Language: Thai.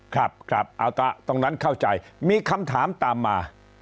ครับครับเอาตรงนั้นเข้าใจมีคำถามตามมา